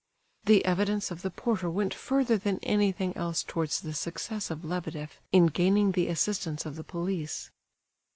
The evidence of the porter went further than anything else towards the success of Lebedeff in gaining the assistance of the police.